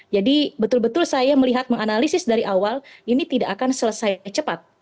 jadi betul betul saya melihat menganalisis dari awal ini tidak akan selesai cepat